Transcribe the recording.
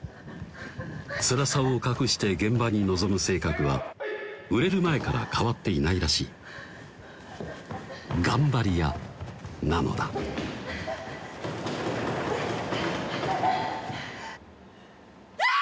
つらさを隠して現場に臨む性格は売れる前から変わっていないらしい頑張り屋なのだ「ギャ！」